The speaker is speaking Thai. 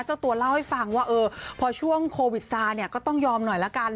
เจ้าตัวเล่าให้ฟังว่าพอช่วงโควิดซาเนี่ยก็ต้องยอมหน่อยละกัน